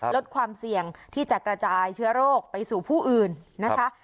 ลดความเสี่ยงที่จะกระจายเชื้อโรคไปสู่ผู้อื่นนะคะ